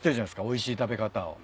おいしい食べ方を。